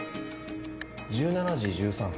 １７時１３分